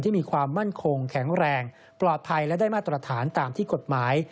มีความมั่นคงแข็งแรงปลอดภัยและได้มาตรฐานตามที่กฎหมาย